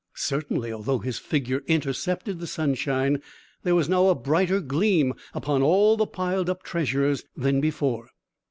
Certainly, although his figure intercepted the sunshine, there was now a brighter gleam upon all the piled up treasures than before.